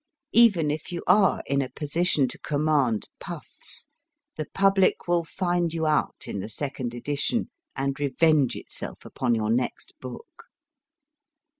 Even if you are in a position to command puffs, the public will find you out in the second edition, and revenge itself upon your next book.